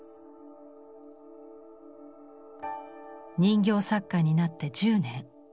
人形作家になって１０年。